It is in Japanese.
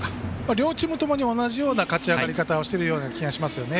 両チームとも同じような勝ち上がり方をしているような気がしますね。